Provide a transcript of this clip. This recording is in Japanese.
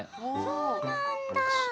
そうなんだ。